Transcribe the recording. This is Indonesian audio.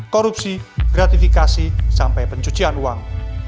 korupsi gratifikasi sampai pencucian uang